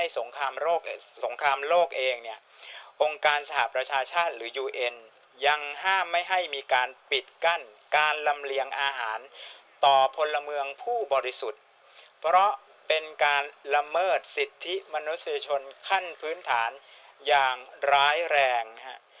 สงครามโลกเองเนี่ยองค์การสหประชาชาติหรือยูเอ็นยังห้ามไม่ให้มีการปิดกั้นการลำเลียงอาหารต่อพลเมืองผู้บริสุทธิ์เพราะเป็นการละเมิดสิทธิมนุษยชนขั้นพื้นฐานอย่างร้ายแรง